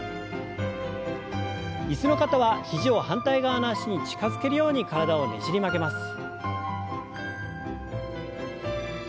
椅子の方は肘を反対側の脚に近づけるように体をねじり曲げます。